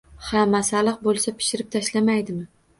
Ha masalliq boʻlsa, pishirib tashlamaydimi